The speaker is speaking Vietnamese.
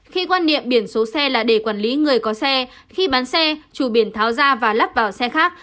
khi quan niệm biển số xe là để quản lý người có xe khi bán xe chủ biển tháo ra và lắp vào xe khác